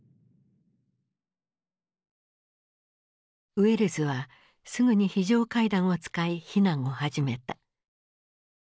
ウェルズはすぐに非常階段を使い避難を始めた。